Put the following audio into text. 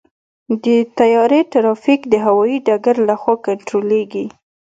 د طیارې ټرافیک د هوايي ډګر لخوا کنټرولېږي.